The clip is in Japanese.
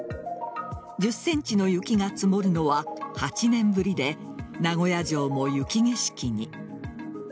１０ｃｍの雪が積もるのは８年ぶりで名古屋城も雪景色に。